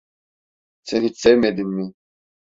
Sen hiç sevmedin mi?